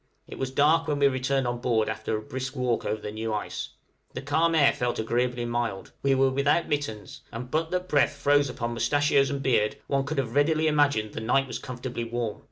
It was dark when we returned on board after a brisk walk over the new ice. The calm air felt agreeably mild. We were without mittens; and but that the breath froze upon moustachios and beard, one could have readily imagined the night was comfortably warm.